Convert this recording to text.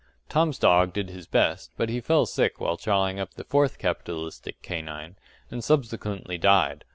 Tom's dog did his best; but he fell sick while chawing up the fourth capitalistic canine, and subsequently died.